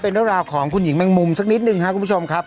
เป็นเรื่องราวของคุณหญิงแมงมุมสักนิดนึงครับคุณผู้ชมครับ